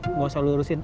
nggak usah lo urusin